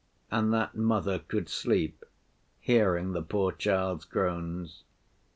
And that mother could sleep, hearing the poor child's groans!